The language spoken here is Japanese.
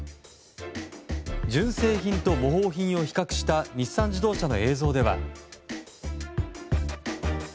純正品と模倣品を比較した日産自動車の映像では。